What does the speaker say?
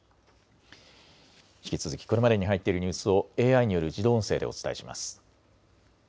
引き続きこれまでに入っているニュースをＡＩによる自動音声でお伝えします。